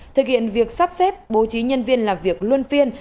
thực hiện việc sắp xếp bố trí nhân viên làm việc luân phiên